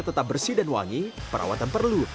tetap bersih dan wangi perawatan perlu